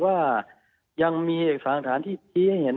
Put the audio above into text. ว่ายังมีเอกสารฐานที่ชี้ให้เห็น